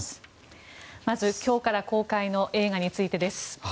まず今日から公開の映画についてです。